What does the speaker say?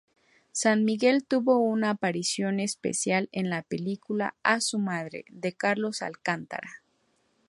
San Miguel tuvo una aparición especial en la película "Asu Mare" de Carlos Alcántara.